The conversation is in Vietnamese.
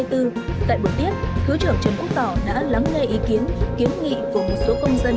tại buổi tiếp thứ trưởng trần quốc tỏ đã lắng nghe ý kiến kiến nghị của một số công dân